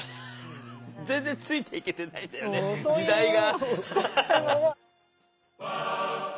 全然ついていけてないんだよね時代が。